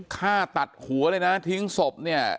ฆ่าตัดหัวเลยนะทิ้งศพเนี่ย